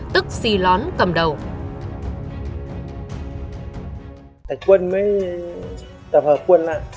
tức xì lón cầm đầu